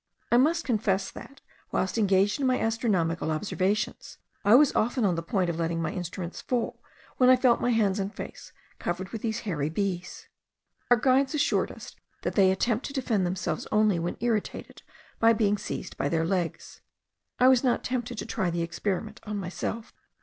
I must confess, that, whilst engaged in my astronomical observations, I was often on the point of letting my instruments fall, when I felt my hands and face covered with these hairy bees. Our guides assured us that they attempt to defend themselves only when irritated by being seized by their legs. I was not tempted to try the experiment on myself.